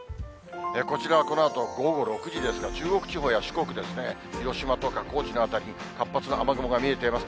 こちらはこのあと午後６時ですが、中国地方や四国ですね、広島とか、高知の辺り、活発な雨雲が見えています。